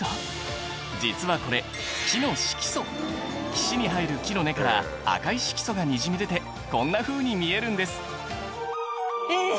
実はこれ木の色素岸に生える木の根から赤い色素がにじみ出てこんなふうに見えるんですえっ！